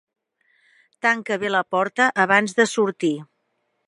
Tanca bé la porta abans de sortir.